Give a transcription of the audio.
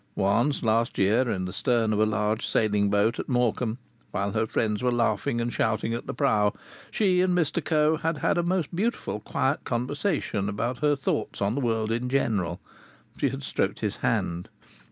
Once, last year, in the stern of a large sailing boat at Morecambe, while her friends were laughing and shouting at the prow, she and Mr Coe had had a most beautiful quiet conversation about her thoughts on the world in general; she had stroked his hand....